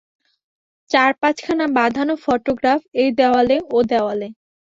চার-পাঁচখানা বাঁধানো ফটোগ্রাফ এ দেওয়ালে, ও দেওয়ালে।